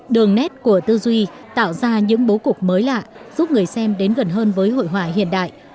đường nét của tư duy tạo ra những bố cục mới lạ giúp người xem đến gần hơn với hội họa hiện đại